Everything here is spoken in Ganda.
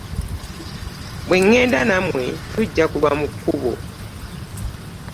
Bwe ŋŋenda nammwe tujja kulwa mu kkubo.